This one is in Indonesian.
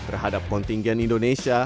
terhadap kontingen indonesia